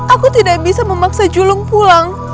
aku tidak bisa memaksa julung pulang